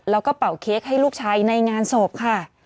แล้วก็เป่าเค้กให้ลูกชายในงานศพค่ะ